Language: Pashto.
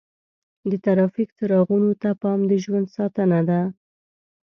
د ټرافیک څراغونو ته پام د ژوند ساتنه ده.